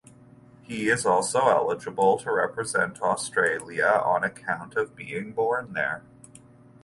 He is also eligible to represent Australia on account of being born there.